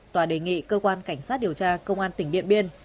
tòa đề nghị cơ quan cảnh sát điều tra công an tỉnh điện biên